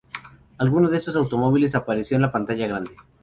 Alguno de estos automóviles apareció en la pantalla grande.